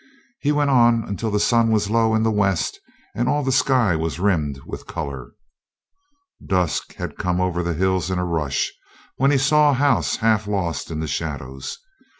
He went on until the sun was low in the west and all the sky was rimmed with color. Dusk had come over the hills in a rush, when he saw a house half lost in the shadows.